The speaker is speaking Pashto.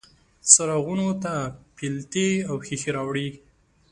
څراغونو ته پیلتې او ښیښې راوړي